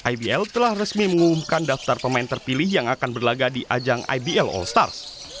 ibl telah resmi mengumumkan daftar pemain terpilih yang akan berlaga di ajang ibl all stars